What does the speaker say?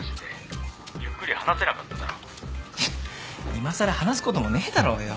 いまさら話すこともねえだろうよ。